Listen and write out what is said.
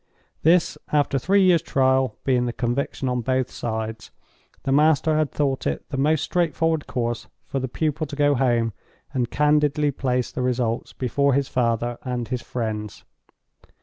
This, after three years' trial, being the conviction on both sides, the master had thought it the most straightforward course for the pupil to go home and candidly place results before his father and his friends.